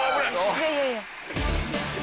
いやいやいや。